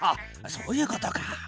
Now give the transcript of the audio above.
そういうことか。